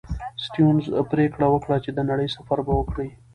سټيونز پرېکړه وکړه چې د نړۍ سفر به وکړي.